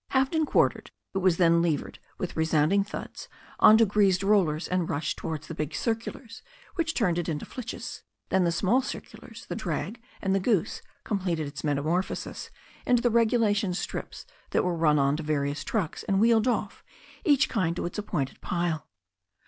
Halved and quartered, it was then levered with re THE STORY OF A NEW ZEALAND RIVER 273 sounding thuds on to greased rollers and rushed towards the big circulars, which turned it into flitches. Then the small circulars, the drag, and the goose completed its metamor phosis into the regulation strips that were run on to varioua trucks and wheeled off, each kind to its appointed pile.